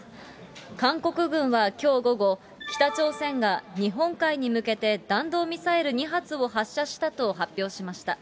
韓国軍はきょう午後、北朝鮮が日本海に向けて弾道ミサイル２発を発射したと発表しました。